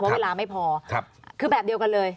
เวลาไม่พอคือแบบเดียวกันเลย